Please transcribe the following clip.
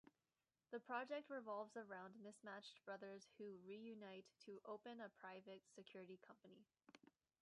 The project revolves around mismatched brothers who reunite to open a private security company.